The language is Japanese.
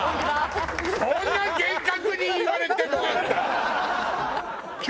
そんな厳格に言われてもあんた。